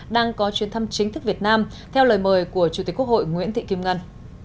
đang có chuyến thăm chính thức việt nam theo lời mời của chủ tịch quốc hội nguyễn thị kim ngân